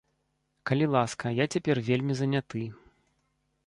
Калі ласка, я цяпер вельмі заняты.